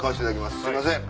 すいません。